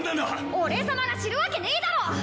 俺様が知るわけねえだろ！